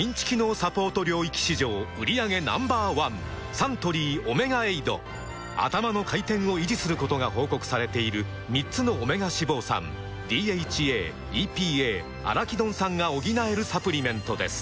サントリー「オメガエイド」「アタマの回転」を維持することが報告されている３つのオメガ脂肪酸ＤＨＡ・ＥＰＡ・アラキドン酸が補えるサプリメントです